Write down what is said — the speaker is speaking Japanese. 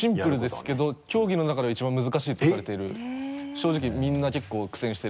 正直みんな結構苦戦している。